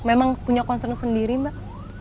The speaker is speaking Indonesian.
memang punya concern sendiri mbak